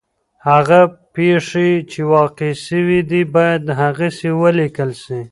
هغه پېښې چي واقع سوي دي باید هغسي ولیکل سي.